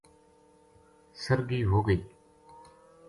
سرہگی ہوئی